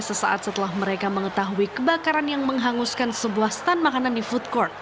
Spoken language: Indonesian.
sesaat setelah mereka mengetahui kebakaran yang menghanguskan sebuah stand makanan di food court